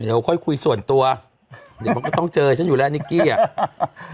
เดี๋ยวค่อยคุยส่วนตัวเดี๋ยวมันก็ต้องเจอฉันอยู่แล้วนิกกี้อ่ะ